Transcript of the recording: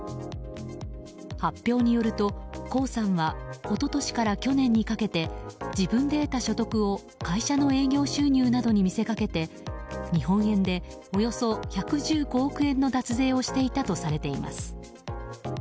発表によると、コウさんは一昨年から去年にかけて自分で得た所得を会社の営業収入などに見せかけて日本円でおよそ１１５億円の脱税をしていたとされています。